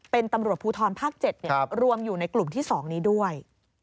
เป็นตำรวจภูทรภาค๗รวมอยู่ในกลุ่มที่๒นี้ด้วย